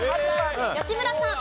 吉村さん。